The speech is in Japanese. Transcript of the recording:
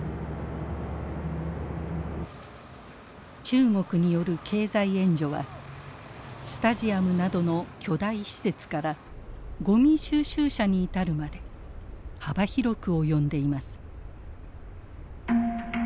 中国による経済援助はスタジアムなどの巨大施設からゴミ収集車に至るまで幅広く及んでいます。